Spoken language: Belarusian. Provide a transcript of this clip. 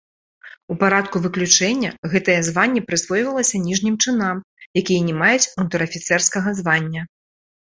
У парадку выключэння гэтае званне прысвойвалася ніжнім чынам, якія не маюць унтэр-афіцэрскага звання.